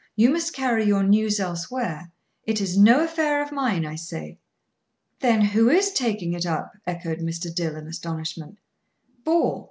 You must carry your news elsewhere. It is no affair of mine, I say." "Then who is taking it up?" echoed Mr. Dill, in astonishment. "Ball.